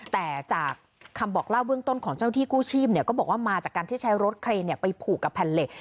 แต่จากคำบอกเล่าเบื้องต้นของเจ้าหน้าที่กู้ชีพก็บอกว่ามาจากการที่ใช้รถเครนไปผูกกับแผ่นเหล็ก